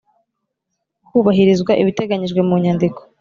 hubahirizwa ibiteganyijwe mu Nyandiko